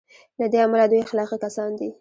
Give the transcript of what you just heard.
له دې امله دوی اخلاقي کسان دي.